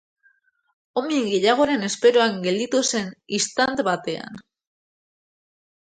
Omen gehiagoren esperoan gelditu zen istant batean.